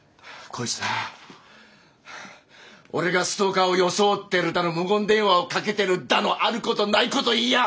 こいつな俺がストーカーを装ってるだの無言電話をかけてるだのあることないこと言いやがって！